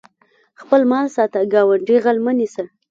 خپل مال ساته ګاونډي غل مه نیسه